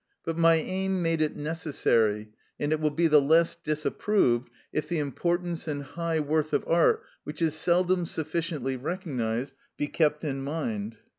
But my aim made it necessary, and it will be the less disapproved if the importance and high worth of art, which is seldom sufficiently recognised, be kept in mind.